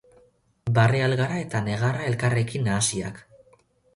Barre algara eta negarra elkarrekin nahasiak.